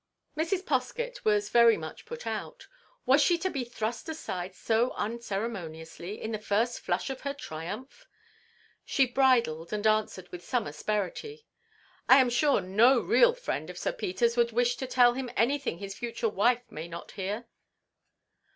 Mrs. Poskett was much put out. Was she to be thrust aside so unceremoniously in the first flush of her triumph? She bridled, and answered with some asperity, "I am sure no real friend of Sir Peter's would wish to tell him anything his future wife may not hear."